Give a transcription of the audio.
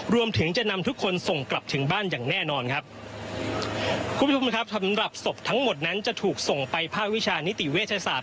รวมถึงจะนำทุกคนส่งกลับถึงบ้านอย่างแน่นอนครับคุณผู้ชมครับสำหรับศพทั้งหมดนั้นจะถูกส่งไปภาควิชานิติเวชศาสต